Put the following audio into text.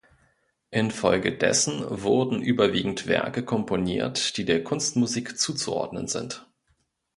Infolgedessen wurden überwiegend Werke komponiert, die der Kunstmusik zuzuordnen sind.